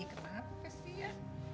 kenapa kasih ya